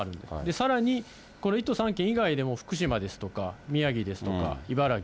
さらにこの１都３県以外でも、福島ですとか、宮城ですとか、茨城、